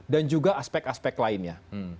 dan juga aspek aspek lainnya